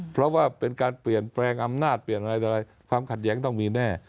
เพราะว่าเป็นการเปลี่ยนแปลงอำนาจเปลี่ยนอะไรต่ออะไรความขัดแย้งต้องมีแน่